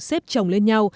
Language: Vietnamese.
xếp trồng lên nhau